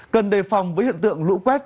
cần đề phòng với hiện tượng lũ quét